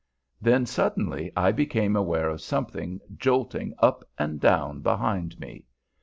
Then suddenly I became aware of something jolting up and down behind me.